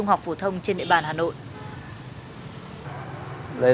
một loại phương tiện gian lận trong thi cử khác